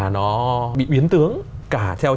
nó bị biến tướng cả theo